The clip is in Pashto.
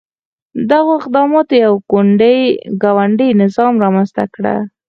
دغو اقداماتو یو ګوندي نظام رامنځته کړ.